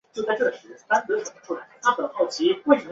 迪尔克里克镇区为美国堪萨斯州菲利普斯县辖下的镇区。